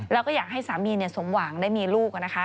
แล้วก็อยากให้สามีสมหวังได้มีลูกนะคะ